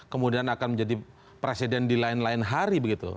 kemudian akan menjadi presiden di lain lain hari begitu